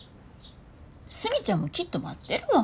スミちゃんもきっと待ってるわ。